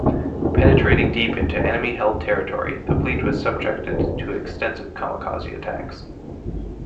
Penetrating deep into enemy-held territory, the fleet was subjected to extensive kamikaze attacks.